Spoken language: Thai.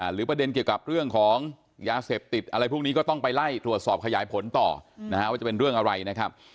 หรือประเด็นเกี่ยวกับเรื่องของยาเสพติดอะไรพวกนี้ก็ต้องไปไล่ตรวจสอบขยายผลต่อนะฮะว่าจะเป็นเรื่องอะไรนะครับ